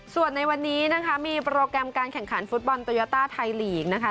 ส่วนในวันนี้มีโปรแกรมการแข่งขันฟุตบอลโตยาต้าไทยหลีก